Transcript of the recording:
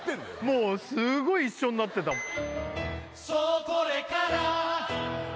もうすごい一緒んなってたもん